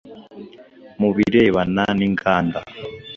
mu birebana n’inganda